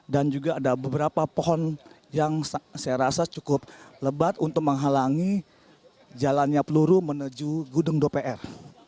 dan juga ada beberapa pohon yang saya rasa cukup lebat untuk menghalangi jalannya peluru menuju gedung dpr